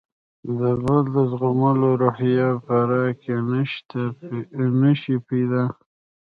د بل د زغملو روحیه به راکې نه شي پیدا.